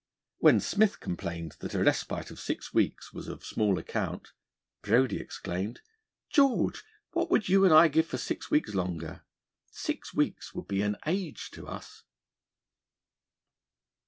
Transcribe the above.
When Smith complained that a respite of six weeks was of small account, Brodie exclaimed, 'George, what would you and I give for six weeks longer? Six weeks would be an age to us.'